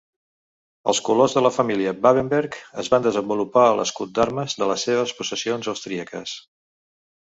Els colors de la família Babenberg es van desenvolupar a l'escut d'armes de les seves possessions austríaques.